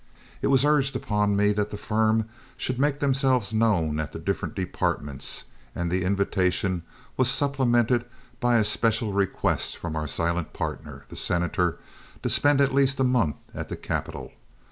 It was urged on me that the firm should make themselves known at the different departments, and the invitation was supplemented by a special request from our silent partner, the Senator, to spend at least a month at the capital.